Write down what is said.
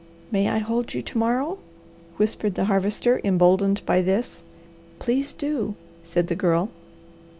"May I hold you to morrow?" whispered the Harvester, emboldened by this. "Please do," said the Girl.